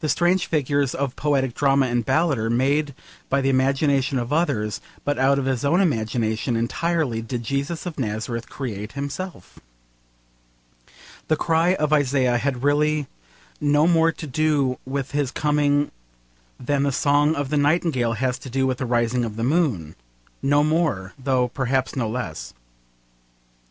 The strange figures of poetic drama and ballad are made by the imagination of others, but out of his own imagination entirely did Jesus of Nazareth create himself. The cry of Isaiah had really no more to do with his coming than the song of the nightingale has to do with the rising of the moon no more, though perhaps no less.